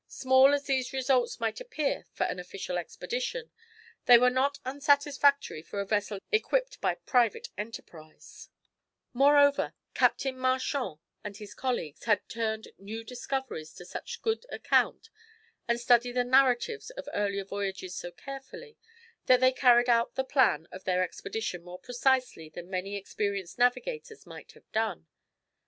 Small as these results might appear for an official expedition, they were not unsatisfactory for a vessel equipped by private enterprise; moreover, Captain Marchand and his colleagues had turned new discoveries to such good account, and studied the narratives of earlier voyagers so carefully, that they carried out the plan of their expedition more precisely than many experienced navigators might have done.